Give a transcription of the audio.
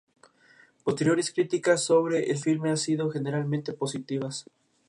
Posteriores críticas sobre el filme ha sido generalmente positivas.